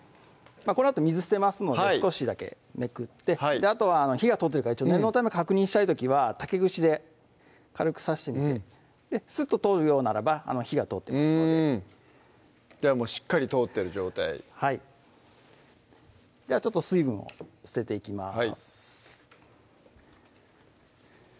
このあと水捨てますので少しだけめくってあとは火が通ってるか念のため確認したい時は竹串で軽く刺してみてスッと通るようならば火が通ってますのでじゃあもうしっかり通ってる状態はいじゃあちょっと水分を捨てていきます